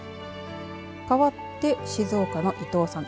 かわって、静岡の伊藤さん。